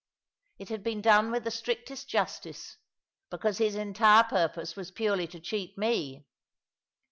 It had been done with the strictest justice, because his entire purpose was purely to cheat me.